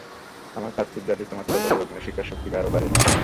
আমার পার্থিব জাদু তোমার তলোয়ারের অগ্নিশিখার শক্তিকে আরও বাড়িয়ে দেবে।